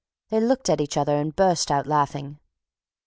They looked at each other and burst out laughing.